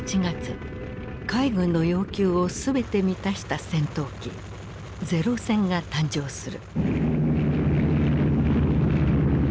海軍の要求を全て満たした戦闘機零戦が誕生する。